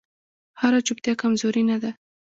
هره چوپتیا کمزوري نه ده